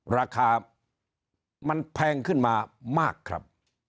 ราคามันแพงขึ้นมามากครับ